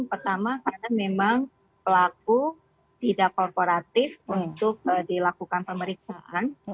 pertama karena memang pelaku tidak korporatif untuk dilakukan pemeriksaan